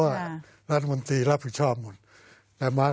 ก็จะต้องมาคิดปรับแก้ไหม